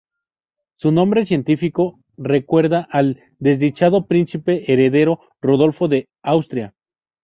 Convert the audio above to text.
Su nombre científico recuerda al desdichado príncipe heredero Rodolfo de Austria.